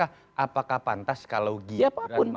apakah pantas kalau gitu